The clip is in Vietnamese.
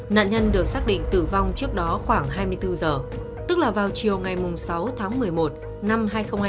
nạn nhân được xác định tử vong trước đó khoảng hai mươi bốn giờ tức là vào chiều ngày sáu tháng một mươi một năm hai nghìn hai mươi ba